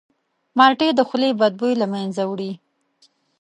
مالټې د خولې بدبویي له منځه وړي.